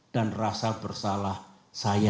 dan rasa bersalah saya